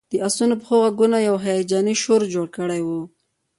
د آسونو د پښو غږونو یو هیجاني شور جوړ کړی و